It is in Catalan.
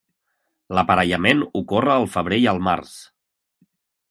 L'aparellament ocorre al febrer i el març.